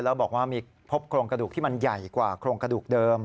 แล้วบอกว่ามีพบโครงกระดูกที่มันใหญ่กว่าโครงกระดูกเดิม